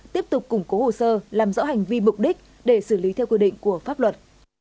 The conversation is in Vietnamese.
tiếp tục củng cố hồ sơ làm rõ hành vi mục đích để xử lý theo quy định của pháp luật